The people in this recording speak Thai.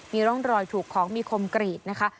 มีร่องรอยถูกของมีคมกรีดนะคะ